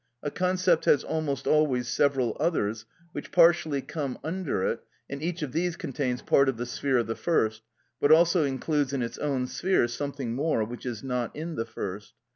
A concept has almost always several others, which partially come under it, and each of these contains part of the sphere of the first, but also includes in its own sphere something more, which is not in the first.